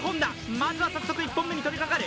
まず１本目に取りかかる。